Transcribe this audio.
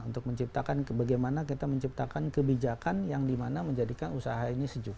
untuk menciptakan bagaimana kita menciptakan kebijakan yang dimana menjadikan usaha ini sejuk